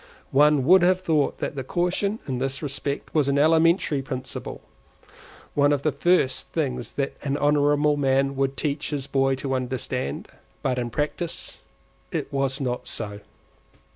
One would have thought that caution in this respect was an elementary principle,—one of the first things that an honourable man would teach his boy to understand; but in practice it was not so.